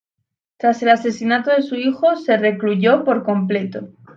Tras el asesinato de su hijo, se recluyó por completo.